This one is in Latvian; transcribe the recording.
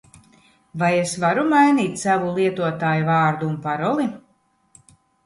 Vai es varu mainīt savu lietotājvārdu un paroli?